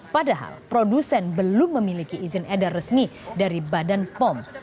padahal produsen belum memiliki izin edar resmi dari badan pom